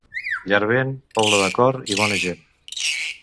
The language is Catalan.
Llarvén, poble de cor i bona gent.